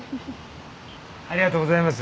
ありがとうございます。